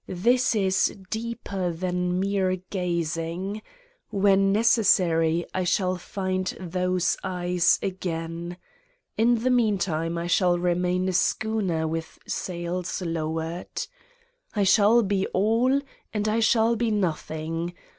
This is deeper than mere gazing. When necessary I shall find those eyes again. In the meantime I shall remain a schooner with sails lowered. I shall be All and I shall be Nothing.